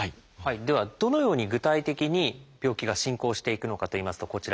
ではどのように具体的に病気が進行していくのかといいますとこちら。